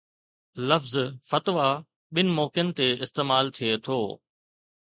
لفظ فتويٰ ٻن موقعن تي استعمال ٿئي ٿو